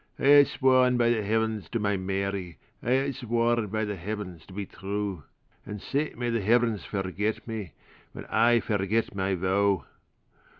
I hae sworn by the Heavens to my Mary,I hae sworn by the Heavens to be true; And sae may the Heavens forget me, When I forget my vow!